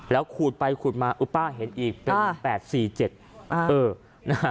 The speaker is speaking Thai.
แล้วขูดไปขูดมาป้าเห็นอีกเป็น๘๔๗